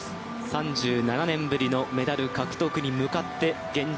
３７年ぶりのメダル獲得に向かって現状